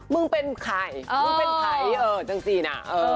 มึงเป็นใครมึงเป็นใครจังซีน่ะ